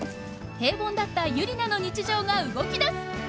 平凡だったユリナの日常が動きだす！